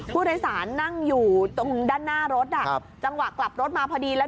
ผู้โดยสารนั่งอยู่ตรงด้านหน้ารถจังหวะกลับรถมาพอดีแล้ว